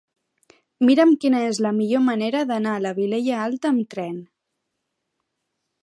Mira'm quina és la millor manera d'anar a la Vilella Alta amb tren.